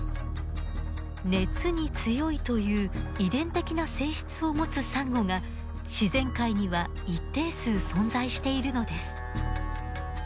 熱に強いという遺伝的な性質を持つサンゴが自然界には一定数存在しているのです。